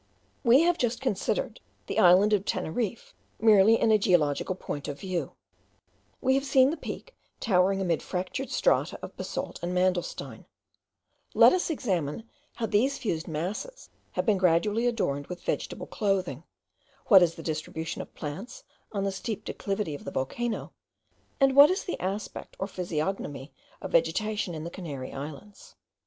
We have just considered the island of Teneriffe merely in a geological point of view; we have seen the Peak towering amid fractured strata of basalt and mandelstein; let us examine how these fused masses have been gradually adorned with vegetable clothing, what is the distribution of plants on the steep declivity of the volcano, and what is the aspect or physiognomy of vegetation in the Canary Islands.